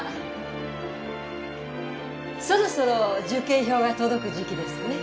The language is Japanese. そろそろ受験票が届く時期ですね。